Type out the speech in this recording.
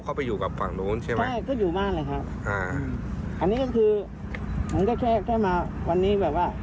มารอบลูกให้เขาหน่อยอะไรประมาณนี้